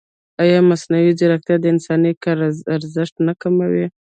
ایا مصنوعي ځیرکتیا د انساني کار ارزښت نه کموي؟